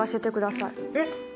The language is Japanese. えっ！？